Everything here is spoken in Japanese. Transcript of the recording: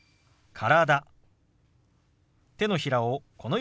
「体」。